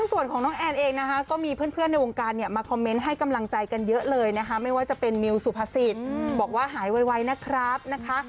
ส่วนของน้องแอนเองนะคะก็มีเพื่อนในวงการเนี่ยมาคอมเมนต์ให้กำลังใจกันเยอะเลยนะคะไม่ว่าจะเป็นมิวสุภาษิตบอกว่าหายไวนะครับนะคะ